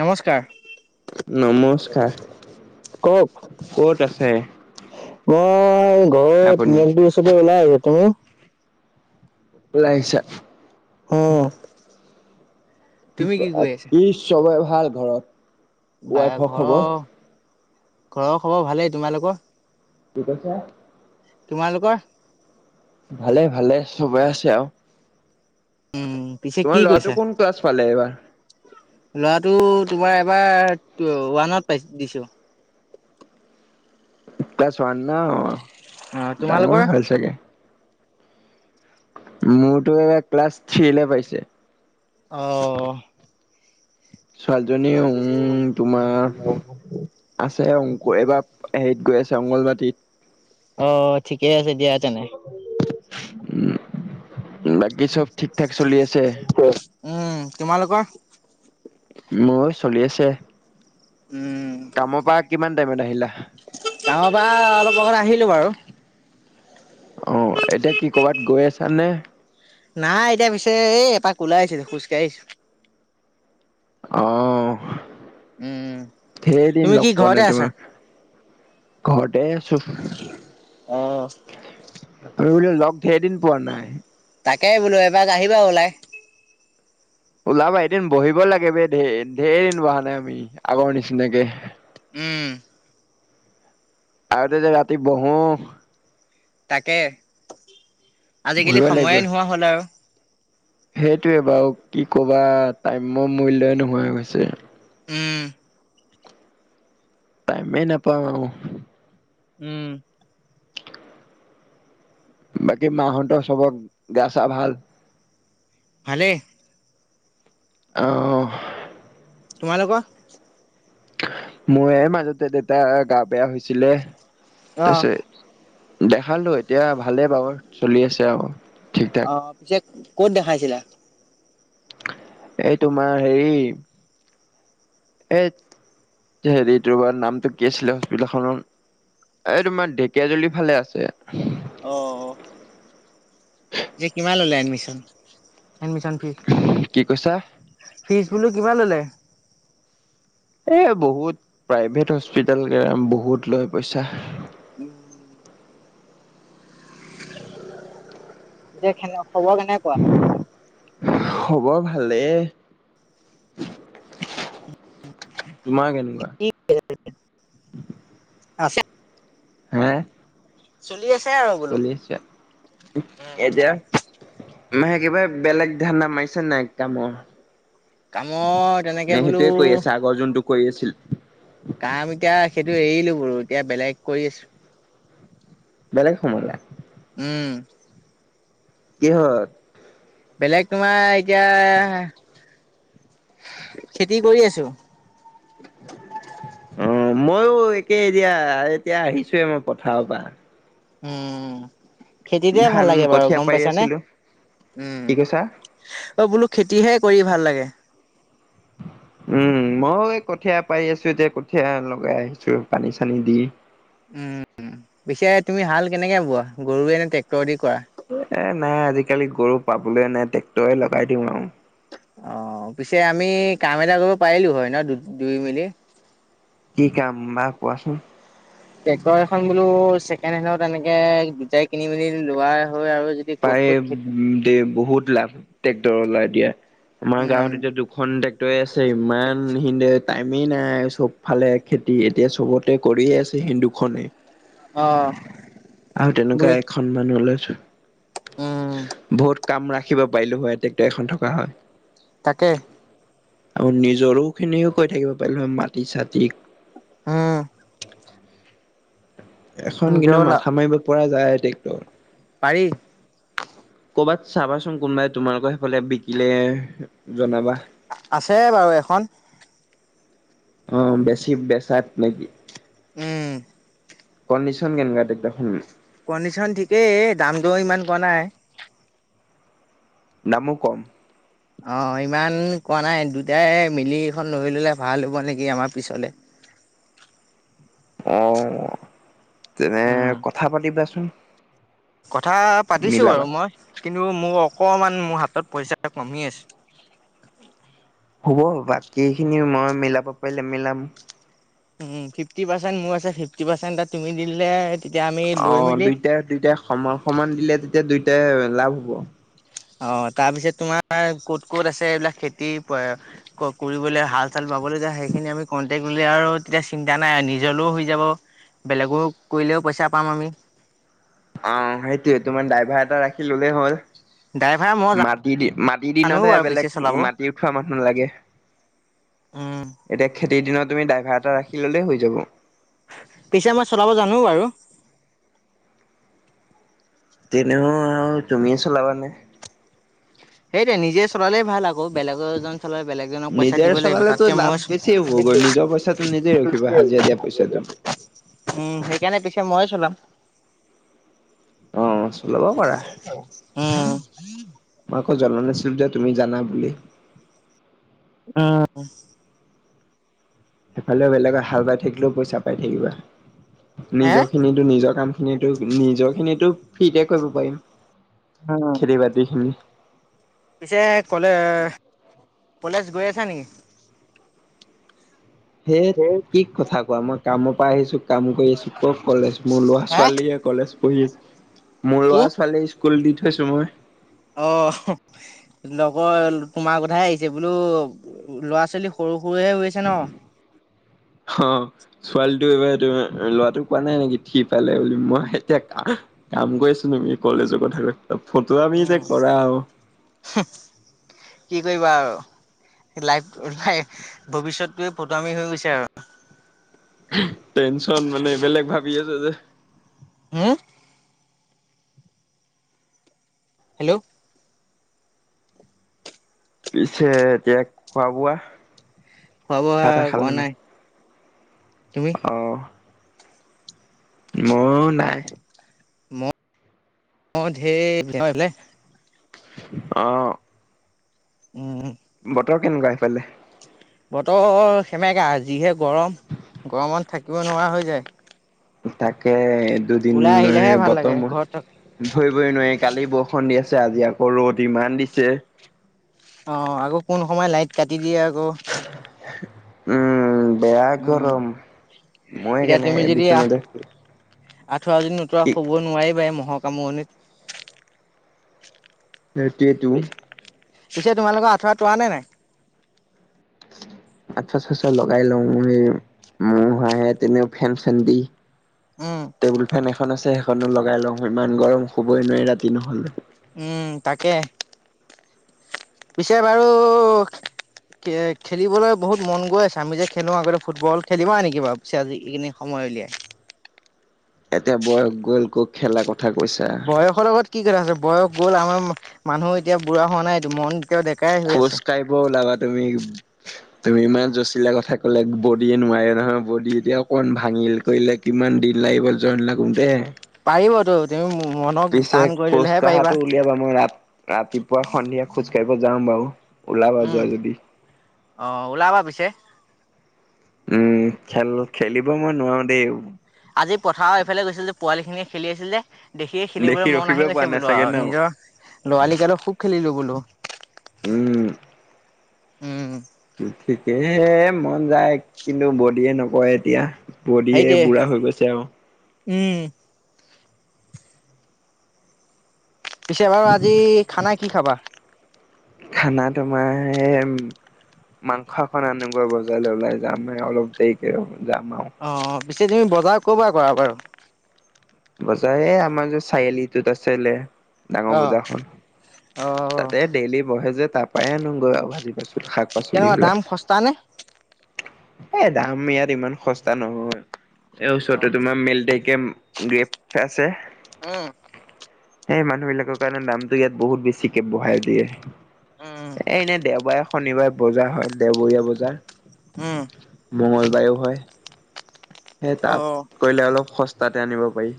নমস্কাৰ। নমস্কাৰ। কওক ক'ত আছে? মই ঘৰত, আপুনি? মন্দিৰ ওচৰত ওলাই আহিলোঁ। তুমি? লাইছা? হুম ই চবে ভাল ঘৰত? বা ৱাইফৰ খবৰ? ঘৰৰ, ঘৰৰ খবৰ ভালেই। তোমালোকৰ? কি কৈছে? তোমালোকৰ? ভালে ভালে, চবে আছে আৰু। উম পিছে তোমাৰ কি ল'ৰাটো কৈছা? কোন ক্লাছ পালে এইবাৰ? ল'ৰাটো তোমাৰ এইবাৰ ওৱানত পাইছ, দিছো। ক্লাছ ৱান না অ ডাঙৰে তোমালোকৰ? হ'ল চাগে। মোৰতো এবাৰ ক্লাছ থ্ৰীলে পাইছে। অ'। ছোৱালীজনী উম, তোমাৰ আছে [unintelligible] এইবাৰ হেৰিত গৈ আছে অংগনবাদীত। অ' ঠিকে আছে দিয়া তেনে। উম বাকী চব ঠিক-ঠাক চলি আছে? উম তোমালোকৰ? মোৰো চলি আছে। উম কামৰ পৰা কিমান টাইমত আহিলা? কামৰ পৰা অলপ আগত আহিলো বাৰু। অ' এতিয়া কি কৰ'বাত গৈ আছানে? নাই, এতিয়া পিছে এই এপাক ওলাই আহিছিলোঁ। খোজকাঢ়ি আহিছোঁ। অ' উম ঢেৰদিন তুমি লগ কি পোৱা ঘৰতে নাই আছা? তোমাক! ঘৰতে আছোঁ। অ'। আমি বোলো লগ ঢেৰ দিন পোৱা নাই। তাকে বোলো, এপাক আহিবা ওলাই। [unintelligible] উম। আগতে যে ৰাতি বহো! তাকে, বহিব আজিকালি লাগিব, সময়ে নোহোৱা হ'ল আৰু! সেইটোৱে বাৰু! কি ক'বা টাইমৰ মূল্যই নোহোৱা হৈ গৈছে। উম। টাইমে নাপাও আও। উম। বাকী মাহঁতৰ সবৰ গা-চা ভাল? ভালে। অ' তোমালোকৰ? মোৰে মাজতে দেতাৰ গা বেয়া হৈছিলে। অ', তাৰপিছত দেখালো এতিয়া, ভালে বাৰু। চলি আছে আৰু। ঠিক ঠাক। অ' পিছে ক'ত দেখাইছিলা? এই তোমাৰ হেৰি এ হেৰি তাৰ নামটো কি আছিলে হস্পিতেল খনৰ এই তোমাৰ ঢেকীয়া জুলিৰ ফালে আছে। অ যে কিমান ললে এডমিশন এডমিশন ফিছ কি কৈছা ফিজ বোলো কিমান ল'লে? এই বহুত প্ৰাইভেট হস্পিতেল বহুত লয় পইচা। উম যে খবৰ কেনেকুৱা। খবৰ ভালেই। তোমাৰ কেনেকুৱা? কি আছে? হে চলি আছে আৰু বোলো। চলি আছে এতিয়া। মাহে একেবাৰে বেলেগ ধানা মাৰিছে নাই এক কামৰ। কামৰ তেনেকে নে বোলো সেইটোৱে কৰি আছে আগৰ যোনটো কৰি আছিল। ব এতিয়া বেলেগ কৰি আছো। বেলেগ সময় ল উম। কিহত। বেলেগ তোমাৰ এতিয়া। খেতি কৰি আছো। [unintelligible] অ মইও একেই এতিয়া এতিয়া আহিছোৱে মই পথাৰৰ পৰা। উম। খেতিতে ভাল ধান লাগে বাৰু কঠীয়া গম পাৰি পাইছা নে আছিলো উম কি কৈছা অ বোলো। খেতিহে কৰি ভাল লাগে। [unintelligible] উম মইয় এই কঠীয়া পাই আছো এতিয়া কঠীয়া লগাই আহিছো পানী চানী দি। উম পিছে তুমি হাল কেনেকে বোৱা, গৰুৱে নে টেক্টৰ দি কৰা। এ নাই আজিকালি গৰু পাবলৈ নাই ট্ৰেক্টৰে লগাই দিওঁ আৰু। অ পিছে আমি কাম এটা কৰিব পাৰিলো হয় ন দু দুই মিলি। কি কাম বা কোৱাচোন। ট্ৰেক্টৰ এখন বোলো ছেকেণ্ড হেডত এনেকে দুটাই কিনি মেলি লোৱা। হয় আৰু যদি ক'ত পায় ক'ত খেতি দ বহুত লাভ ট্ৰেক্টৰ ওলাই দিয়া। আমাৰ উম গাঁৱত এতিয়া দুখন। টেক্টৰ আছে ইমান সি টাইমেই নাই চব ফালে খেতি এতিয়া চবতে কৰিয়ে আছে। দুখনে। আহ। আৰু তেনেকুৱা এখন মানুহ লৈছো, উম বহুত। কাম ৰাখিব পাৰিলো হয় ট্ৰেক্টৰ এখন থকা হয়। তাকে। আৰু নিজৰো খিনিও কৈ থাকিব পাৰিলো হয় মাটি চতি। হম। এখন কিন্তু গ'ল আৰু মাথা মাৰিব পৰা যায় ট্ৰেক্টৰ। পাৰি। কৰ'বাত চাবাচোন কোনোবাই তোমালোকৰ সেইফালে বিকিলে, জনাবা। আছে বাৰু এখন অ বেছি বেচাত নেকি? উম। কণ্ডিশন কেনেকুৱা টেক্টৰ খন। কণ্ডিচন ঠিকেই দাম দ ইমান পোৱা নাই। দামো কম। অ' ইমান কোৱা নাই দুটাই মিলিখন লৈ ল'লে ভাল হ'ব নেকি আমাৰ পিছলে। অ', তেনে উম, কথা পাতিবাচোন। কথা পাতিছো বাৰু মিলাবা। মই, কিন্তু মোৰ। অকমান মোৰ হাতত পইচা কমি আছে। হ'ব বাকী খিনি মই মিলাব পাৰিলে মিলাম। উম ফিফটি পাৰ্চেণ্ট মোৰ আছে। ফিফটি পাৰ্চেণ্ট তুমি দিলে। তেতিয়া আমি লৈ অ' মেলি দুইটাই দুইটাই সমান সমান দিলে তেতিয়া দুইটাই লাভ হ'ব। অ' তাৰপিছত তোমাৰ ক'ত ক'ত আছে? এইবিলাক খেতি কৰিবলৈ হাল চাল। পাবলৈ যা সেইখিনি আমি কন্টেক্ট ব আৰু তেতিয়া চিন্তা নাই আৰু নিজলৈও হৈ যাব। বেলেগো কৰিলেও পইচা পাম আমি। অ' সেইটোয়ে তোমাৰ ড্ৰাইভাৰ এটা ৰাখি ললে হ'ল। ড্ৰাইভাৰ। মই মাটি দি মাটি জানো দিনতহে বাৰু পিছে বেলেগ চলাব। মাটি উঠোৱা মানুহ লাগে। উম, এতিয়া খেতিৰ দিনত তুমি ড্ৰাইভাৰ এটা ৰাখি ল'লেই হৈ যাব। পিছে মই চলাব জানো বাৰু। যেনেও আৰু তুমিয়ে চলাবানে। সেইটোৱে নিজে চ। চোৱালে ভাল আকৌ। বেলেগ এজন চলাই বেলেগজনক পইচা নিজে দিব লাগিব। চলালেতো তাতকে লাভ বেছি হ'বগৈ নিজৰ পইচাটো নিজে ৰখিবা হাজিৰা দিয়া পইচাটো। মই [unintelligible] কেনে পিছে মই চলাম? অ' চলাব পাৰা উম। মই আকৌ জনা নাছিলো যে তুমি জানা বুলি। উম। সেইফালেও বেলেগক হাল বাই থাকিলেও পইচা পাই থাকিবা। হে নিজৰ খিনিটো নিজৰ কাম। খিনিটো নিজৰ খিনিটো ফ্ৰীতে কৰিব পাৰিম। খেতি বাতি খিনি। পিছে কলেজ, কলেজ গৈ আছা নেকি? সেইট কি কথা কোৱা, মই কাম পা আহিছো, কাম কৰি আছো, ক ক'লে মোৰ ল'ৰা হে ছোৱালীয়ে কলে কলেজ পঢ়ি আছে, মোৰ ল'ৰা ছোৱালী স্কুল দি থৈছো মই। অহ, লগৰ তোমাৰ কথাই আহিছে বোলো ল'ৰা ছোৱালী সৰু সৰুহে হৈ আছে ন হ ছোৱালী। টো এইবাৰ এইটোৱে লৰাটো কোৱা নাই নেকি থ্ৰি পালে বুলি। মই এতিয়া কা কাম কৰিছো তুমি কলো। আছোঁ কথাবিলাক। ফটোৱামি যে উম কৰা আৱ। কি কৰিবা আৰু? লাইফ লাই ভৱিষ্যতটোৱে ফটোৱামি হৈ গৈছে আৰু। টেনচন মানে বেলেগ ভাবি আছে যে। হম। হেল্ল'। পিছে এতিয়া খোৱা-বোৱা? খোৱা বোৱা কৰা নাই তুমি? মোৰো নাই। ম অ' ধেৰ। অহ। উম বতৰ কেনেকুৱা সেফালে? বতৰ সেমেকা। যিহে গৰম, গৰমত থাকিব নোৱাৰা হৈ যায়। তাকে। দুদিন ওলাই আহিলেহে ভাল বতৰ লাগে ঘৰত মই ধৰিবই নোৱাৰি। কালি বৰষুণ দি আছে। ছে আজি আকৌ ৰ'দ ইমান দিছে। অ', আকৌ কোন সময় লাইট কাটি দিয়ে আ। [unintelligible] বেয়া উম গৰম। মই এতিয়া কেনে বিচনাতে শুই আছোঁ। আঠুৱা যদি নোতোৱা হ'ব নোৱাৰিবাই মহৰ কামোৰণিত। সেইটোৱেটো। পিছে তোমালোকৰ আঁঠুৱা টোৱা নে নাই? [unintelligible] আঠুৱা আঠুৱা লগাই লওঁ মই, মহ আহে তেনেও ফেন চেন দি। উম টেবুল ফেন এখন আছে সেইখনো লগাই লওঁ। ইমান গৰম শুবই নোৱাৰি ৰাতি নহলে। উম তাকে, পিছে বাৰু। এ খেলিবলৈ বহুত মন গৈ আছে। আমি যে খেলো আগতে ফুটবল, খেলিবা নেকি বাও পিছে আজি এইখিনি সময়ত। হয় উলিয়াই। এতিয়া বয়স গ'ল ক' খেলা কথা। কৈছা বয়সৰ লগত কি কথা আছে। বয়স গ'ল আমাৰ মানুহ এতিয়া বুঢ়া হোৱা নাইটো মন। এতিয়াও ডেকাই হৈ আছে খোজকাঢ়িব ওলাবা তুমি। তুমি ইমান জচিলা কথা কলে বদীয়ে নোৱাৰে নহয়। বদী এতিয়া অকমান ভাঙিল। কৰিলে কিমান দিল লাগিব জইন লাগুং তে। পাৰিবতো তুমি মো। পিছে খোজ কাঢ়াটো উলিয়াবা। মই ৰাত ৰাতিপুৱা, সন্ধিয়া খোজ কাঢ়িব যাওঁ বাউ। উম, অ ওলাবা পিছে। উম খেল খেলিব মই নোৱাৰো দেই। আজি পথাৰৰ এইফালে গৈছিল যে পোৱালি খিনিয়ে খেলি আছিল যে, দেখিয়ে দেখি খেলিবলৈ মন আহি ৰখিবই পোৱা গৈছে নাই বোলো চাগে আৰু ন? নিজৰ লৰালিকালত খুব খেলিলো বোলো। উম। উম। ঠিকেহে মন যায় কিন্তু বডিয়ে নকৰে এতিয়া, বডিয়ে সেইটোৱে বুঢ়া হৈ গৈছে আৰু। উম। পিছে বাৰু আজি খানা কি খাবা? খানা তোমাৰ, মাংস অকণ আনোগৈ বজাৰলৈ ওলাই যাম অলপ দেৰিকে যাম। আৰু। অ পিছে তুমি বজাৰ কৰ পৰা কৰা বাৰু? বজাৰ আমাৰ যে চাৰিআলিটোত আছিলে। ডাঙৰ অ বজাৰখন অ' তাতে ডেইলি বহে যে তাৰ পৰাই আনোগৈ আৰু, শাক পাচলি কেনেকুৱা বিলাক। দাম সস্তা নে? এ দাম ইয়াত ইমান সস্তা নহয় এই ওচৰতে তোমাৰ মেলিটাৰী কেম্প গ্ৰুপ আছে। উম সেই মানুহ বিলাকৰ কাৰণে দামটো ইয়াত বহুত বেছিকে বঢ়াই দিয়ে। উম এ এনে দেওবাৰে, শনিবাৰে বজাৰ হয় দেওবৰীয়া বজাৰ। উম মঙ্গলবায়ু হয়, সেই অ তাত কৰিলে অলপ সস্তাতে আনিব পাৰি।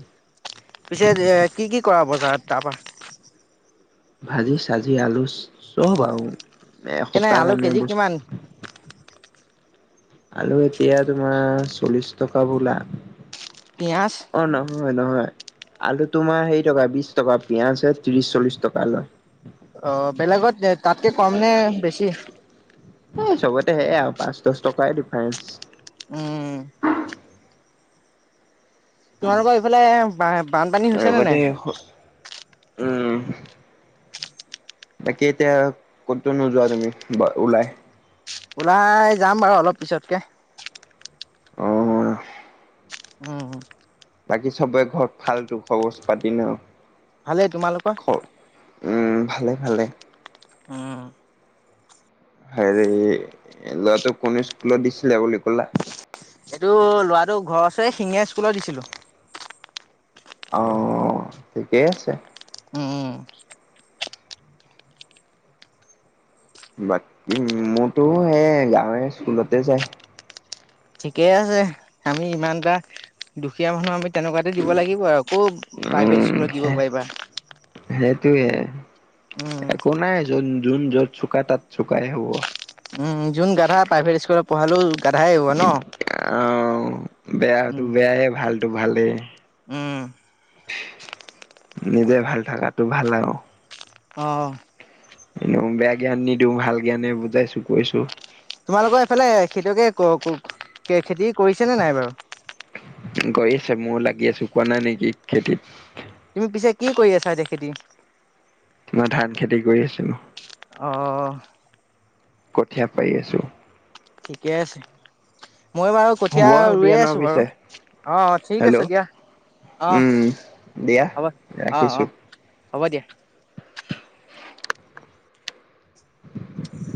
পিছে এ কি কি কৰা বজাৰ তাৰপৰা? ভাজি চাজি আলু চব আৰু। কেনে এসপ্তাহ আলু কাৰণে কেজি কিমান বস্তু আলু এতিয়া তোমাৰ চল্লিশ টকা বোলা পিয়াজ? অ নহয় নহয়। আলু তোমাৰ হেই টকা বিশ টকা পিয়াঁজ ত্ৰিশ চল্লিশ টকা লয়। অ বেলেগত তাতকে কম নে বেছি? স চবতে সেইয়াই আও পাঁচ দহ টকাই ডিফাৰেন্স। উম। তোমালোকৰ এইফালে বানপানী হৈছে নে লগতে নাই? উম। বাকি এতিয়া ক'তো নোযোৱা তুমি ওলাই? ওলাই যাম বাৰু অলপ পিছতকে। অঁ। উম। বাকী চবৰে ঘৰত‌ ভালটো খবৰ খাতি ন? ভালেই, তোমালোকৰ? খ উম ভালে, ভালে। উম। হেৰি লৰাটোক কোন স্কুলত দিছিলা বুলি ক'লা? এইটো ল'ৰাটো ঘৰৰ ওচৰৰে শিঙীয়া স্কুলত দিছিলো। অ ঠিকেই আছে। উম। বাকী মোৰটো সেই গাঁৱৰ স্কুলতে যায়। ঠিকেই আছে। আমি ইমান এটা দুখীয়া মানুহ আমি তেনেকুৱাতে দিব লাগিব আৰু। কৰ প্ৰাইভেট উম স্কুলত দিব সে পাৰিবা। সেইটোৱে উম একো নাই। যোন যোন যত চোকা তাত চোকাই হ'ব। উম যোন গাধা প্ৰাইভেট স্কুলত পঢ়ালেও গাধাই হ'ব ন? আহ বেয়াটো উম বেয়াই, ভালটো ভালেই। উম। নিজে ভাল থাকাটো ভাল আও। অ। বেয়া জ্ঞান নিদিওঁ। ভাল জ্ঞানে বুজাইছো, কৈছো। তোমালোকৰ এইফালে খেতিয়কে খেতি কৰিছেনে নাই বাৰু? গৈ আছে, মইও লাগি আছো। কোৱা নাই নেকি খেতিত? তুমি পিছে কি কৰি আছা এতিয়া খেতি? মই ধান খেতি কৰি আছোঁ। অঁ। কঠীয়া পাৰি আছো। ঠিকে আছে। মই বাৰু হ'ব কঠীয়া আৰু ৰুয়ে দিয়া ন আছোঁ বাৰু। পিছে অঁ-অ, ঠিক আছে হেল্ল' দিয়া। অহ উম দিয়া হ'ব। অ-অ ৰাখিছো হ'ব দিয়া। [inaudible] [inaudible]